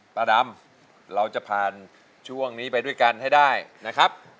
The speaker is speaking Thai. ดำเราจะผ่านช่วงนี้ไปด้วยกันให้ได้นะครับ